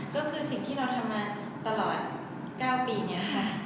ก็คือสิ่งที่เราทำมาตลอด๙ปีอย่างนี้ค่ะ